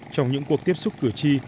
trong những cuộc tiếp xúc cử tri